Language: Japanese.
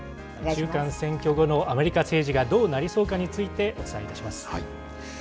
中間選挙後のアメリカ政治がどうなりそうかについてお伝えいたします。